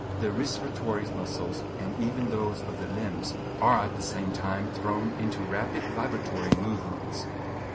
The respiratory muscles, and even those of the limbs, are at the same time thrown into rapid vibratory movements.